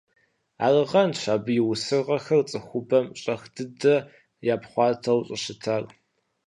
Арагъэнщ абы и усыгъэхэр цӀыхубэм щӀэх дыдэ япхъуатэу щӀыщытар.